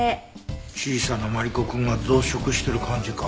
小さなマリコくんが増殖してる感じか？